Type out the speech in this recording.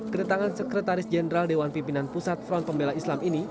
kedatangan sekretaris jenderal dewan pimpinan pusat front pembela islam ini